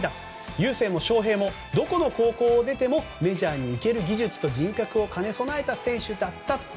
雄星も翔平もどこの高校を出てもメジャーに行ける技術と人格を兼ね備えた選手だったと。